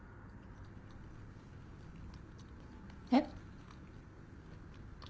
えっ？